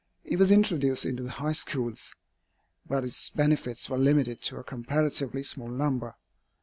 It was introduced into the High Schools. But its benefits were limited to a comparatively small number.